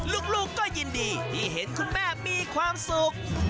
ลูกก็ยินดีที่เห็นคุณแม่มีความสุข